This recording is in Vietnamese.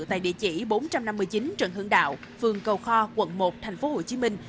tại địa chỉ bốn trăm năm mươi chín trần hưng đạo phường cầu kho quận một thành phố hồ chí minh